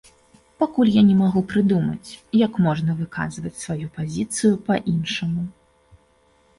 Пакуль я не магу прыдумаць, як можна выказваць сваю пазіцыю па-іншаму.